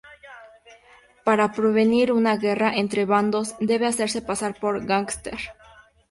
Para prevenir una guerra entre bandos, debe hacerse pasar por gángster.